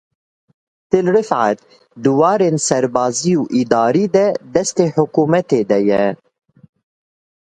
Til Rifet di warên serbazî û îdarî di destê hikûmetê de ye.